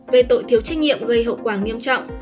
về tội thiếu trách nhiệm gây hậu quả nghiêm trọng